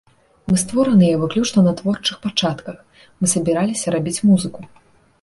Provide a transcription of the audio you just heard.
Мы створаныя выключна на творчых пачатках, мы сабраліся рабіць музыку.